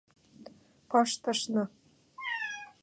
— Пыштышна...